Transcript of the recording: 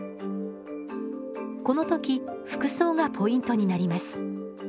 この時服装がポイントになります。